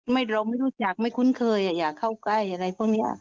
เราไม่รู้จักไม่คุ้นเคยอยากเข้าใกล้อะไรพวกนี้